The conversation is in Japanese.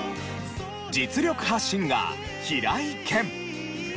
実力派シンガー平井堅。